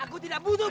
jangan sampai dort